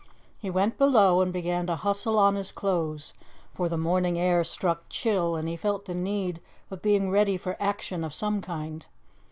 He went below and begun to hustle on his clothes, for the morning air struck chill and he felt the need of being ready for action of some kind.